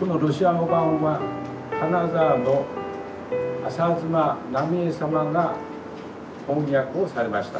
このロシア語版は金沢の浅妻南海江様が翻訳をされました。